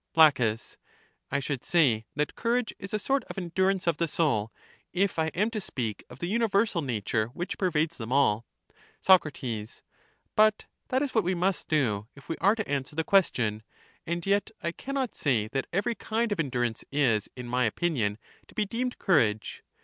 La, I should say that courage is a sort of endur i ance of the soul, if I am to speak of the universal nature which pervades them all. Soc, But that is what we must do if we are to an swer the question. And yet I can not say that every kind of endurance is, in my opinion, to be deemed courage.